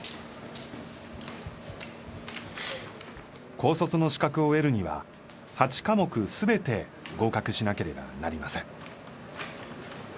高卒の資格を得るには８科目全て合格しなければなりません。